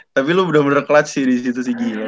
tapi lo bener bener clutch sih disitu